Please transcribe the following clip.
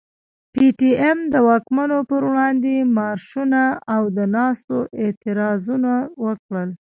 پي ټي ايم د واکمنو پر وړاندي مارشونه او د ناستو اعتراضونه وکړل.